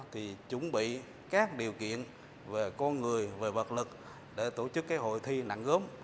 thì chuẩn bị các điều kiện về con người về vật lực để tổ chức cái hội thi nặng gốm